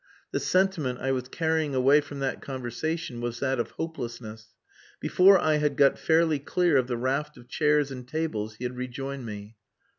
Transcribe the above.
The sentiment I was carrying away from that conversation was that of hopelessness. Before I had got fairly clear of the raft of chairs and tables he had rejoined me.